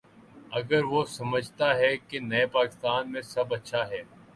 اگر وہ سمجھتا ہے کہ نئے پاکستان میں سب اچھا ہے۔